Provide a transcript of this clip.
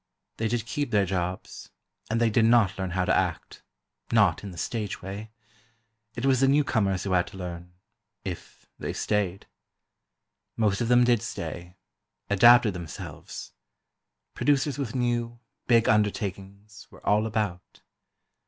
They did keep their jobs, and they did not learn how to act—not in the stage way. It was the newcomers who had to learn—if they stayed. Most of them did stay—adapted themselves. Producers with new, big undertakings, were all about.